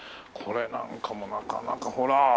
これなんかもなかなかほら。